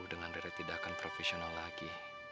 dengan daerah tidak akan profesional lagi